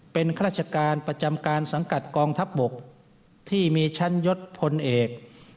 เป็นข้าราชการประจำการสังกัดกองทัพบกที่มีชั้นยศพลเอก